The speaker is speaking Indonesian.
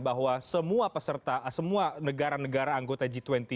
bahwa semua peserta semua negara negara anggota g dua puluh